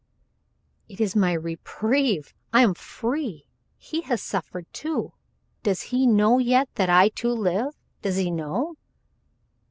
"It is my reprieve. I am free. He has suffered, too. Does he know yet that I too live? Does he know?"